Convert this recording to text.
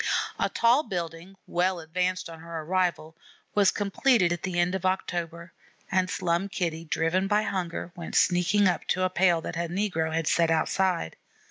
A tall building, well advanced on her arrival, was completed at the end of October, and Slum Kitty, driven by hunger, went sneaking up to a pail that a negro had set outside.